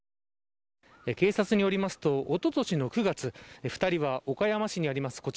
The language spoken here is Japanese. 警察によりますとおととしの９月２人は岡山市にあります